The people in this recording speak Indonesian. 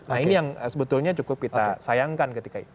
nah ini yang sebetulnya cukup kita sayangkan ketika itu